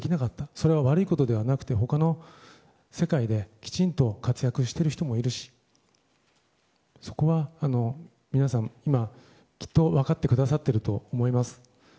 それは悪いことではなくて他の世界できちんと活躍している人もいるしそこは皆さん今きっと分かってくださってると思います。